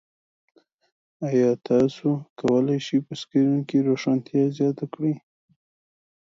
ایا تاسو کولی شئ په سکرین کې روښانتیا زیاته کړئ؟